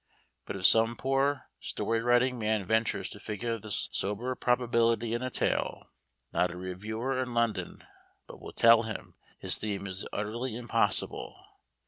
But if some poor story writing man ventures to figure this sober probability in a tale, not a reviewer in London but will tell him his theme is the utterly impossible.